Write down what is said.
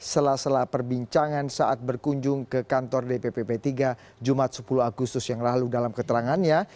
sela sela perbincangan saat berkunjung ke kantor dpp p tiga jumat sepuluh agustus yang lalu dalam keterangannya